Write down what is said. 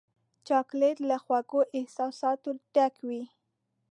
چاکلېټ له خوږو احساساتو ډک وي.